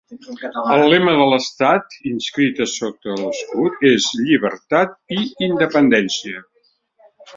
El lema de l'estat, inscrit a sota de l'escut, és "Llibertat i Independència".